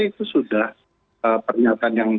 itu sudah pernyataan yang